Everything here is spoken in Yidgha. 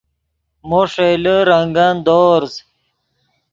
مو ݰئیلے رنگن دورز